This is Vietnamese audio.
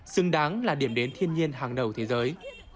xứng đáng là điểm đến thiên nhiên hàng đầu thế giới